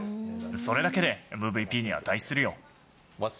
それだけでＭＶＰに値するよ。